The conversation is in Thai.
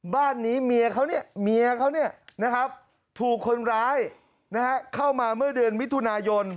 บ้านนี้เมียเขาถูกคนร้ายเข้ามาเมื่อเดือนวิทุนายน